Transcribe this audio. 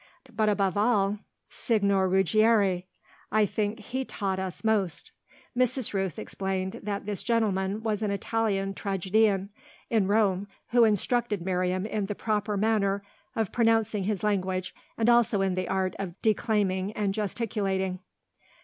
But above all, Signor Ruggieri I think he taught us most." Mrs. Rooth explained that this gentleman was an Italian tragedian, in Rome, who instructed Miriam in the proper manner of pronouncing his language and also in the art of declaiming and gesticulating.